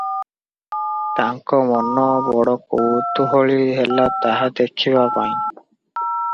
ତାଙ୍କ ମନ ବଡ଼ କୌତୂହଳୀ ହେଲା ତାହା ଦେଖିବାପାଇଁ ।